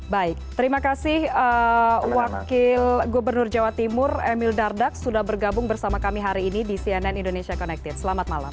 baik terima kasih wakil gubernur jawa timur emil dardak sudah bergabung bersama kami hari ini di cnn indonesia connected selamat malam